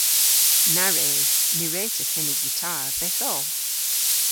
Na wredh. Ny wre'ta seni gitar vyth oll.